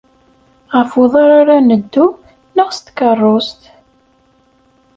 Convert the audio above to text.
Ɣef uḍar ara neddu neɣ s tkeṛṛust?